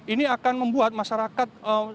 ini akan membuat masyarakat